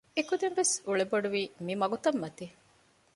އެކުދިން ވެސް އުޅޭ ބޮޑުވީ މި މަގުތައް މަތީ